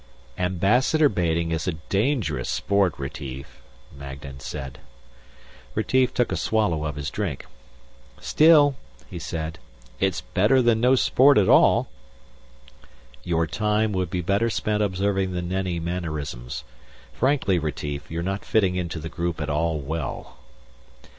"Ambassador baiting is a dangerous sport, Retief," Magnan said. Retief took a swallow of his drink. "Still," he said, "it's better than no sport at all." "Your time would be better spent observing the Nenni mannerisms. Frankly, Retief, you're not fitting into the group at all well."